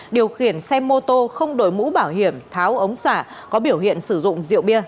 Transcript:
điều khiển xe mô tô không đổi mũ bảo hiểm tháo ống xả có biểu hiện sử dụng rượu bia